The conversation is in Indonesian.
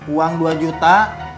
uang dua juta